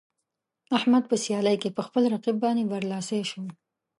احمد په سیالۍ کې په خپل رقیب باندې برلاسی شو.